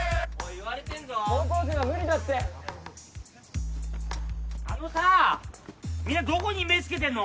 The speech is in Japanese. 言われてんぞ・高校生は無理だってあのさみんなどこに目つけてんの？